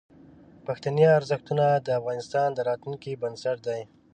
پښتني ارزښتونه د افغانستان د راتلونکي بنسټ دي.